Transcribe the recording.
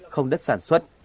không đất sản xuất